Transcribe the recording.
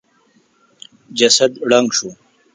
جسد ړنګ شو.